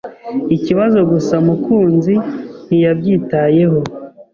Ikibazo gusa Mukunzi ntiyabyitayeho.